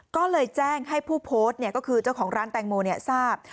ก็เลยแจ้งให้ผู้โพสต์ก็คือเจ้าของร้านแตงโมทราบ